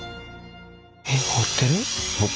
えっ彫ってる？